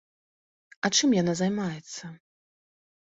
А чым яна займаецца?